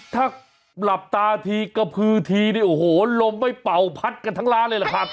ถ้ารับตาทีก็พื้นทีเนี่ยโอ้โหลมไม่เป่าพัดกันทั้งล้านเลยหรอกครับ